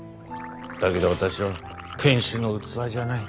だけど私は店主の器じゃない。